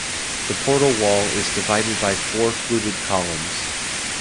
The portal wall is divided by four fluted columns.